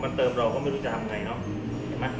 มันประกอบกันแต่ว่าอย่างนี้แห่งที่